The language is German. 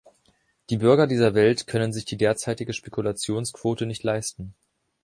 Die Bürger dieser Welt können sich die derzeitige Spekulationsquote nicht leisten.